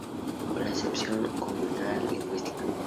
Con la acepción "comunidad lingüística".